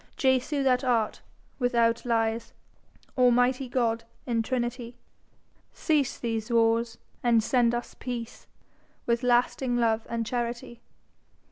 Jesu, that art, without lies, Almighty God in trinity, Cease these wars, and send us peace With lasting love and charity.